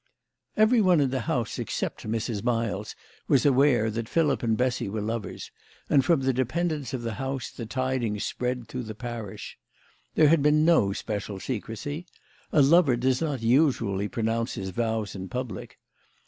Everyone in the house except Mrs. Miles was aware that Philip and Bessy were lovers, and from the dependents of the house the tidings spread through the parish. There had been no special secrecy. A lover does not usually pronounce his vows in public.